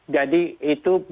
jadi itu bahkan